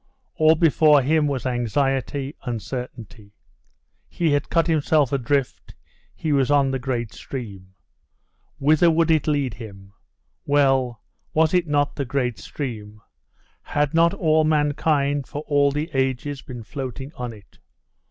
All before him was anxiety, uncertainty. He had cut himself adrift; he was on the great stream. Whither would it lead him? Well was it not the great stream? Had not all mankind, for all the ages, been floating on it?